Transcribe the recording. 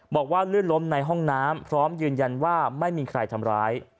ลื่นล้มในห้องน้ำพร้อมยืนยันว่าไม่มีใครทำร้าย